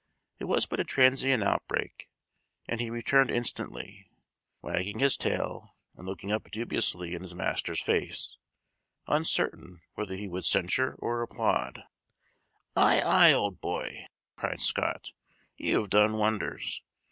It was but a transient outbreak, and he returned instantly, wagging his tail, and looking up dubiously in his master's face; uncertain whether he would censure or applaud. "Aye, aye, old boy!" cried Scott, "you have done wonders.